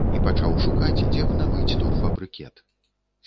І пачаў шукаць, дзе б набыць торфабрыкет.